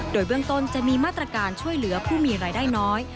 โดยเบื้องต้นจะมีมาตรการช่วยเหลือผู้มีรายได้น้อย